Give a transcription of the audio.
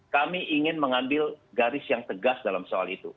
kami ingin mengambil garis yang tegas dalam soal itu